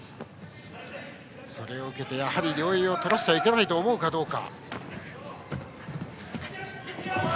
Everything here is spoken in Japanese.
それを受けて両襟を取らせちゃいけないと思うかどうか。